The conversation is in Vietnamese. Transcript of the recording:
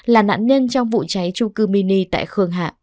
là nạn nhân trong vụ cháy trung cư mini tại khương hạ